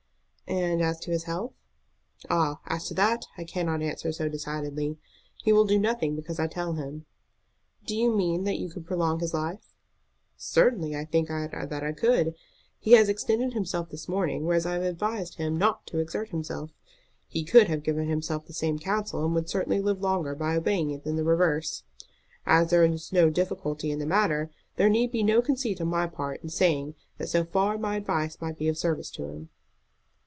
"And as to his health?" "Ah, as to that I cannot answer so decidedly. He will do nothing because I tell him." "Do you mean that you could prolong his life?" "Certainly I think that I could. He has exerted himself this morning, whereas I have advised him not to exert himself. He could have given himself the same counsel, and would certainly live longer by obeying it than the reverse. As there is no difficulty in the matter, there need be no conceit on my part in saying that so far my advice might be of service to him."